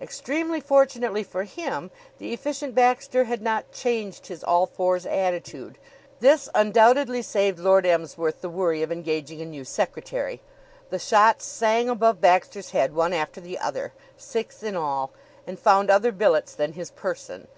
Extremely fortunately for him, the Efficient Baxter had not changed his all fours attitude. This undoubtedly saved Lord Emsworth the worry of engaging a new secretary. The shots sang above Baxter's head one after the other, six in all, and found other billets than his person.